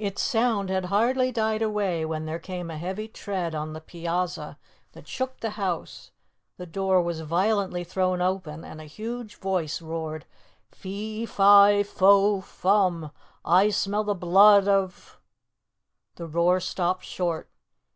Its sound had hardly died away, when there came a heavy tread on the piazza that shook the house, the door was violently thrown open, and a huge voice roared, "Fee, fi, fo, fum! _I smell the blood of _" The roar stopped short.